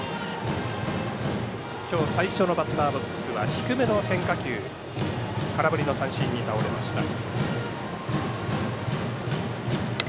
今日最初のバッターボックスは低めの変化球空振り三振に倒れました。